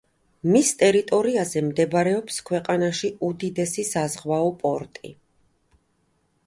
მის ტერიტორიაზე მდებარეობს ქვეყანაში უდიდესი საზღვაო პორტი.